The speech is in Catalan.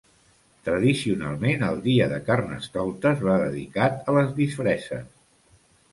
Tradicionalment el dia de Carnestoltes va dedicat a les disfresses.